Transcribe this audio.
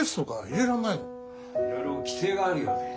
いろいろ規定があるようで。